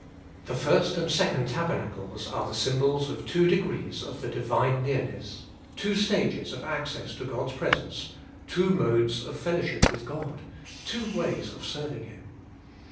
The first and second tabernacles are the symbols of two degrees of the divine nearness, two stages of access to God's presence, two modes of fellowship with God, two ways of serving Him.